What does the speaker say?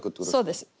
そうです。